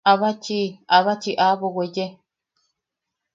¡Abachi, abachi aʼabo weye!